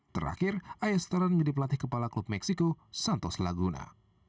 terakhir ayesteran menjadi pelatih kepala klub meksiko santos laguna